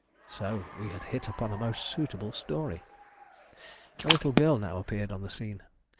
So we had hit upon a most suitable story. A little girl now appeared on the scene.